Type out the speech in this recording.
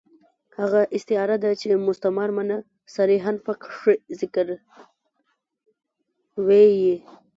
هغه استعاره ده، چي مستعار منه صریحاً پکښي ذکر ىوى يي.